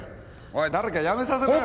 おい誰かやめさせろ！